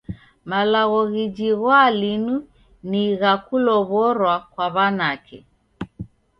Malagho ghijighwaa linu ni gha kulow'orwa kwa w'anake.